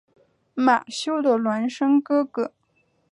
马修的孪生哥哥。